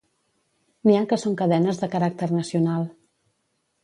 N'hi ha que són cadenes de caràcter nacional.